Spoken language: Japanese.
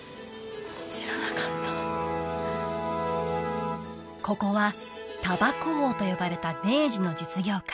知らなかったここは「たばこ王」と呼ばれた明治の実業家